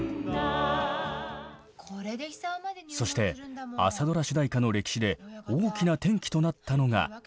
そして朝ドラ主題歌の歴史で大きな転機となったのがこの曲です。